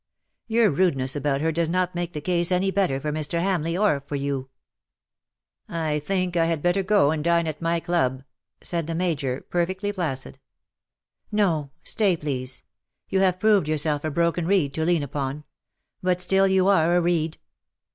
Your rudeness about her does not make the case any better for Mr. Hamleigh, or for vou." 250 LE SECRET DE POLICHINELLE. " I think I had better go and dine at my club/' said the Major^ perfectly placid. " No, stay^ please. You have proved yourself a broken reed to lean upon; but still you are a reed.''